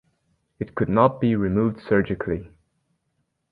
It could not be removed surgically.